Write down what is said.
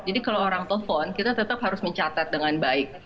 jadi kalau orang telepon kita tetap harus mencatat dengan baik